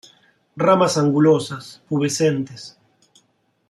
Ramas angulosas, pubescentes.